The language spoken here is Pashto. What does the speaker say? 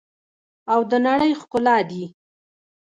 او د نړۍ ښکلا دي.